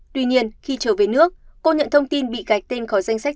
tuy nhiên khi trở về nước cô nhận thông tin bị gạch tên khỏi danh sách